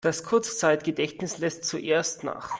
Das Kurzzeitgedächtnis lässt zuerst nach.